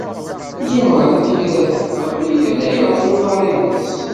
Ẓuhṛa n At Yiraten teɣli yerna yerreẓ uḍar-nnes.